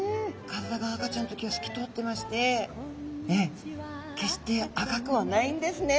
体が赤ちゃんの時はすき通ってまして決して赤くはないんですね